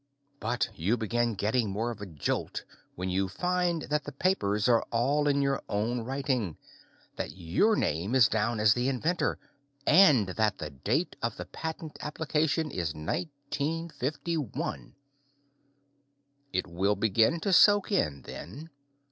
But you begin getting more of a jolt when you find that the papers are all in your own writing, that your name is down as the inventor, and that the date of the patent application is 1951. It will begin to soak in, then.